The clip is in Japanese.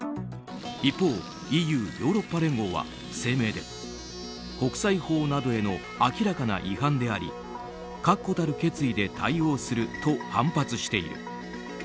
一方、ＥＵ・ヨーロッパ連合は声明で国際法などへの明らかな違反であり確固たる決意で対応すると反発している。